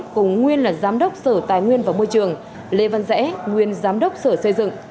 cùng nguyên là giám đốc sở tài nguyên và môi trường lê văn rẽ nguyên giám đốc sở xây dựng